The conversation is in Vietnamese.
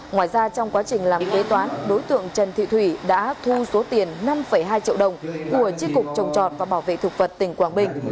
ngoài ra trong quá trình làm kế toán đối tượng trần thị thủy đã thu số tiền năm hai triệu đồng của chiếc cục trồng trọt và bảo vệ thực vật tỉnh quảng bình